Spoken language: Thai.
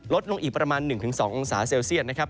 ลดลงอีกประมาณ๑๒องศาเซลเซียตนะครับ